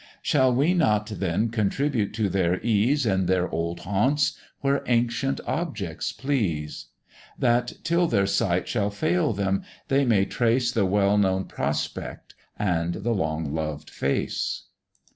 Shall we not then contribute to their ease, In their old haunts, where ancient objects please? That, till their sight shall fail them, they may trace The well known prospect and the long loved face.